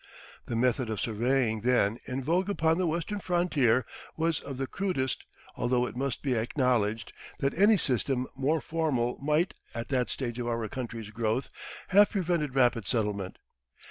The method of surveying then in vogue upon the Western frontier was of the crudest, although it must be acknowledged that any system more formal might, at that stage of our country's growth, have prevented rapid settlement.